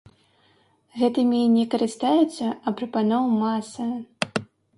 Гэтымі не карыстаюцца, а прапаноў маса!